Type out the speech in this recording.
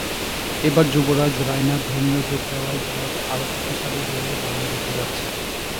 এবার যুবরাজ, রায়না, ধোনিও যোগ দেওয়ায় ভারত আরও শক্তিশালী হয়ে বাংলাদেশে যাচ্ছে।